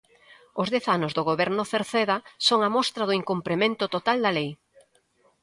Os dez anos do goberno Cerceda son a mostra do incumprimento total da lei.